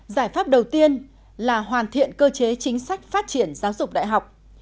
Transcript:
giải pháp đầu tiên là hoàn thiện cơ chế chính sách phát triển giáo dục đại học